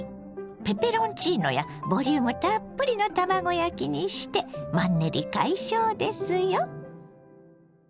ペペロンチーノやボリュームたっぷりの卵焼きにしてマンネリ解消ですよ。